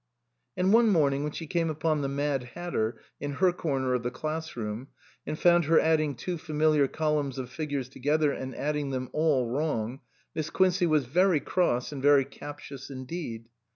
And one morning when she came upon the Mad Hatter in her corner of the class room, and found her adding two familiar columns of figures together and adding them all wrong, Miss Quincey was very cross and very captious indeed.